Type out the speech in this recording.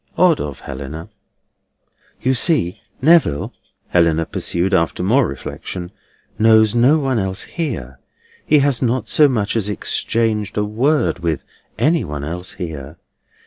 Odd of Helena! "You see, Neville," Helena pursued after more reflection, "knows no one else here: he has not so much as exchanged a word with any one else here.